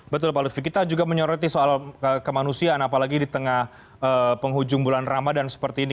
betul pak lutfi kita juga menyoroti soal kemanusiaan apalagi di tengah penghujung bulan ramadhan seperti ini